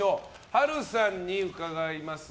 波瑠さんに伺います。